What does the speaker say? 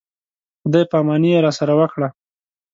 خدای په اماني یې راسره وکړه.